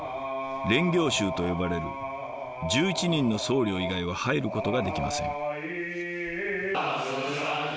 「練行衆」と呼ばれる１１人の僧侶以外は入ることができません。